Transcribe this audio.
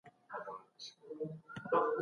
که سانسور وي د علم وده ټکنۍ کېږي.